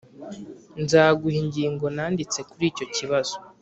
nzaguha ingingo nanditse kuri icyo kibazo